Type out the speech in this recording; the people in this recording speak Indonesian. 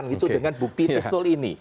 itu dengan bukti pistol ini